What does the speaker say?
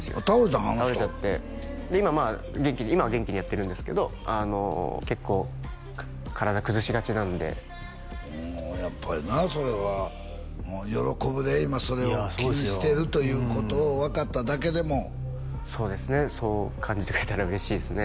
あの人倒れちゃってで今まあ今は元気にやってるんですけど結構体崩しがちなんでやっぱりなそれは喜ぶで今それを気にしてるということを分かっただけでもそうですねそう感じてくれたら嬉しいですね